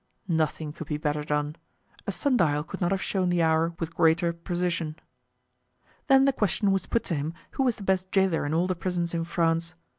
Nothing could be better done; a sun dial could not have shown the hour with greater precision. Then the question was put to him who was the best jailer in all the prisons in France.